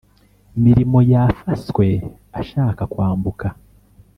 Mirimo yafaswe ashaka kwambuka